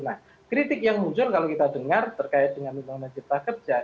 nah kritik yang muncul kalau kita dengar terkait dengan undang undang cipta kerja